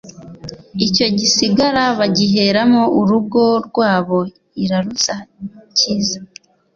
Icyo gisigara bagiheramoUrugo rwabo irarusakiza;